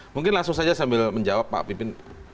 mungkin langsung saja sambil menjawab pak pimpin